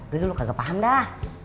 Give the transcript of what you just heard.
dulu dulu kagak paham dah